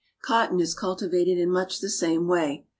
Cotton is cultivated in much the same way.